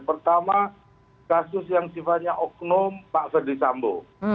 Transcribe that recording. pertama kasus yang sifatnya oknum pak verdi sambo